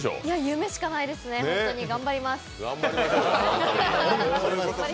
夢しかないですね、本当に、頑張ります。